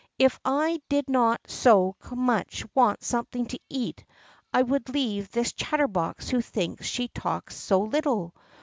If I did not so much want something to eat, I would leave this chatterbox, who thinks she talks so little.